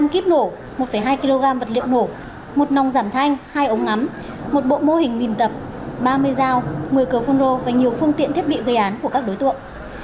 một mươi kíp nổ một hai kg vật liệu nổ một nòng giảm thanh hai ống ngắm một bộ mô hình mìn tập ba mươi dao một mươi cờ phun rô và nhiều phương tiện thiết bị gây án của các đối tượng